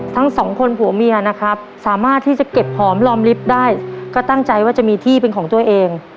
ทั้งสองคนผัวเมียนะครับสามารถที่จะเก็บหอมรอมลิฟต์ได้ก็ตั้งใจว่าจะมีที่เป็นของตัวเอง